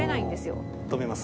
止めます。